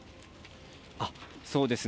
そうですね。